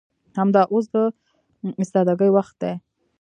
همدا اوس د استادګۍ وخت دى.